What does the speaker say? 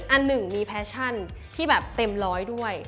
อันหนึ่งมีแฟชั่นที่แบบเต็มร้อยด้วย